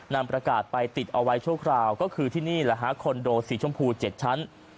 นำประกาศไปติดเอาไว้ชั่วคราวก็คือที่นี่แหละฮะคอนโดสีชมพู๗ชั้น